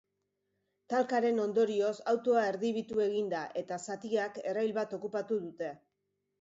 Talkaren ondorioz autoa erdibitu egin da eta zatiak errail bat okupatu dute.